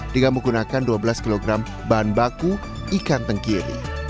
dengan menggunakan dua belas kg bahan baku ikan tenggiri